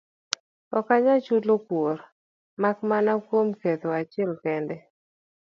Ok anyal chulo kuor, mak mana kuom ketho achiel kende.